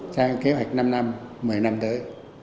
sao kế hoạch năm năm một mươi năm tới